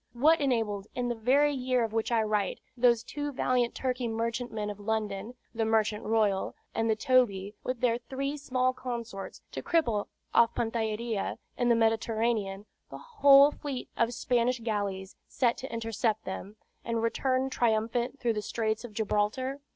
What enabled, in the very year of which I write, those two valiant Turkey merchantmen of London, the Merchant Royal and the Tobie, with their three small consorts, to cripple, off Pantellaria in the Mediterranean, the whole fleet of Spanish galleys sent to intercept them, and return triumphant through the Straits of Gibraltar?